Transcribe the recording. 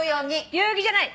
代々木じゃない。